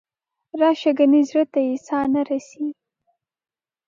راشه ګنې زړه ته یې ساه نه رسي.